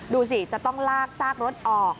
ดูสิจะต้องลากซากรถออก